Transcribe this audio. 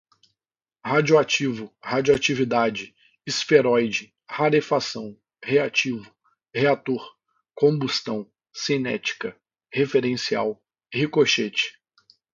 radioativo, radioatividade, esferoide, rarefação, reativo, reator, combustão, cinética, referencial, ricochete